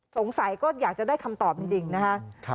สงสัยก็อยากจะได้คำตอบจริงนะคะ